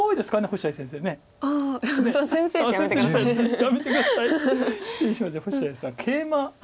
星合さんケイマ。